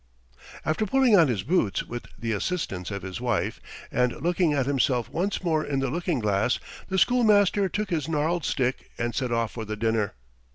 After pulling on his boots with the assistance of his wife, and looking at himself once more in the looking glass, the schoolmaster took his gnarled stick and set off for the dinner.